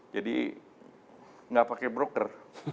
jadi gak pakai broker